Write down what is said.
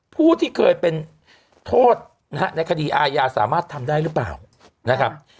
ผู้ที่เคยเป็นโทษนะฮะในคดีอาญาสามารถทำได้หรือเปล่านะครับ